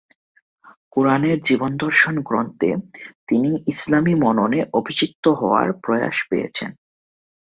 কোরানের জীবনদর্শন গ্রন্থে তিনি ইসলামি মননে অভিষিক্ত হওয়ার প্রয়াস পেয়েছেন।